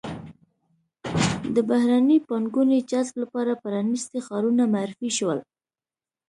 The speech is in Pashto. د بهرنۍ پانګونې جذب لپاره پرانیستي ښارونه معرفي شول.